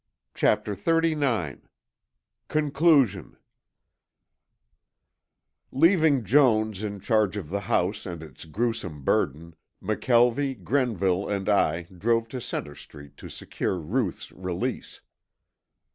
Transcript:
CHAPTER XXXIX CONCLUSION Leaving Jones in charge of the house and its gruesome burden, McKelvie, Grenville and I drove to Center Street to secure Ruth's release.